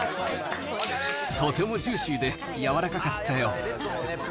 とてもジューシーで柔らかかったよ。